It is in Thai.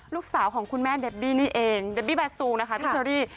ลูกสาวของคุณแม่เดบบี้นี่เองเดบบี้แบซูนะคะพี่เชอรี่